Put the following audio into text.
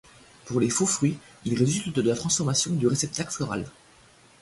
Pour les faux-fruits, il résulte de la transformation du réceptacle floral.